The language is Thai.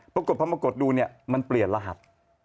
ปรากฏพอมากดดูเนี่ยมันเปลี่ยนรหัส